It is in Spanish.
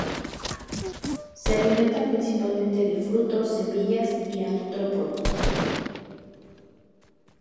Se alimenta principalmente de frutos, semillas y artrópodos.